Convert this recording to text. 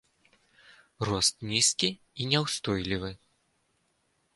Рост нізкі і няўстойлівы.